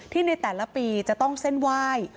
ในแต่ละปีจะต้องเส้นไหว้